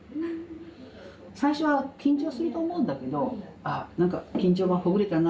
最初は緊張すると思うんだけどあっなんか緊張がほぐれたな